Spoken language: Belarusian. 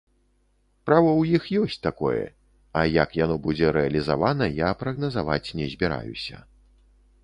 Права ў іх ёсць такое, а як яно будзе рэалізавана, я прагназаваць не збіраюся.